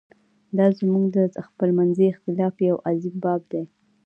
دا زموږ د خپلمنځي اختلاف یو عظیم باب دی.